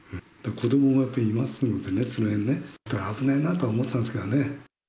子どもがいますのでね、その辺ね、だから危ないなとは思ってたんですよね。